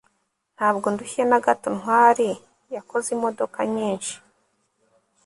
ntabwo ndushye na gato ntwali yakoze imodoka nyinshi